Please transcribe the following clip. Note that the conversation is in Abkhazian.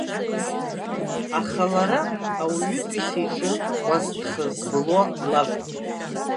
Аха лара ауаҩытәыҩса иҿы кәазҭха збылуа лакәым.